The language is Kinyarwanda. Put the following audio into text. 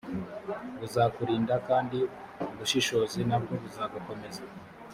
buzakurinda kandi ubushishozi na bwo buzagukomeza